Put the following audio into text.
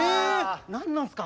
何なんすか？